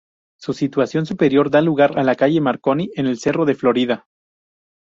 Su estación superior da lugar a la calle Marconi, en el cerro Florida.